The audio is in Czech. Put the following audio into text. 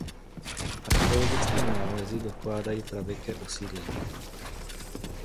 Archeologické nálezy dokládají pravěké osídlení.